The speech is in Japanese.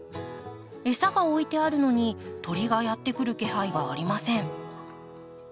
餌が置いてあるのに鳥がやって来る気配がありません。